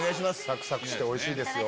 サクサクしておいしいですよ。